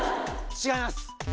違います？